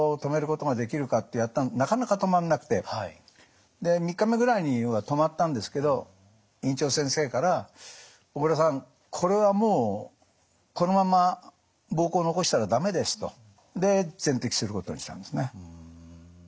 なかなか止まんなくてで３日目ぐらいには止まったんですけど院長先生から「小倉さんこれはもうこのまんま膀胱残したら駄目です」と。で全摘することにしたんですね。